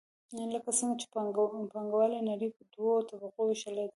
لکه څنګه چې پانګواله نړۍ په دوو طبقو ویشلې ده.